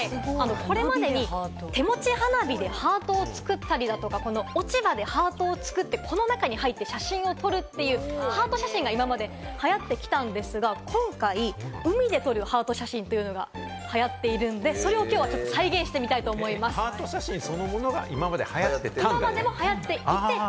これまでに手持ち花火でハートを作ったりだとか、落ち葉でハートを作って、この中に入って写真を撮るというハート写真が今まで流行ってきたんですが、今回、海で撮るハート写真というのが流行っているんで、それをきハート写真そのものが今まで流行ってたんだね。